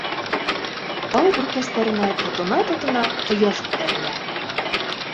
Тау үркәстәренә тотона-тотона ҡояш күтәрелә.